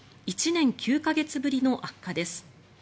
１年９か月ぶりの悪化です。